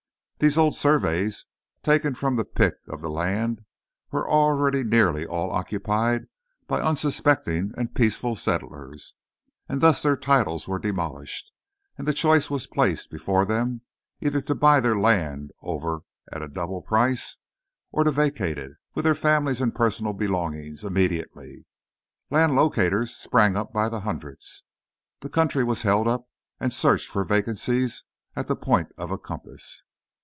These old surveys, taken from the pick of the land, were already nearly all occupied by unsuspecting and peaceful settlers, and thus their titles were demolished, and the choice was placed before them either to buy their land over at a double price or to vacate it, with their families and personal belongings, immediately. Land locators sprang up by hundreds. The country was held up and searched for "vacancies" at the point of a compass.